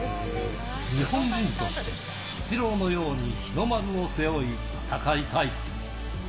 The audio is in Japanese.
日本人として、イチローのように日の丸を背負い、戦いたい。